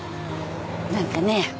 何かね